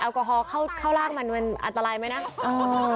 แอลกอฮอล์เข้าลากมันอันตรายไหมนะ